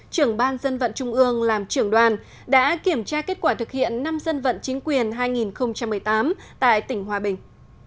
trưởng ban dân vận trung ương làm trưởng đoàn đã kiểm tra kết quả thực hiện năm dân vận chính quyền hai nghìn một mươi tám tại tỉnh hòa bình